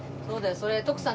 それ徳さん